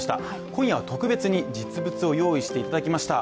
今夜は特別に実物を用意していただきました。